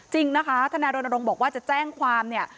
จริงนะคะทนายรณรงค์บอกว่าจะแจ้งความเนี่ย